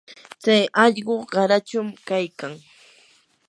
tsay allqu qarachum kaykan.